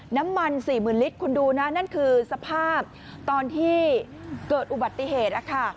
น้ำมัน๔๐๐๐ลิตรคุณดูนะนั่นคือสภาพตอนที่เกิดอุบัติเหตุนะคะ